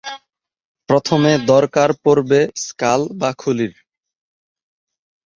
প্রথমে দরকার পড়বে স্কাল বা খুলির।